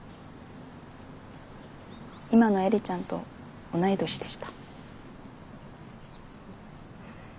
今の映里ちゃんと同い年でした。